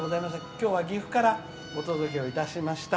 きょうは岐阜からお届けしました。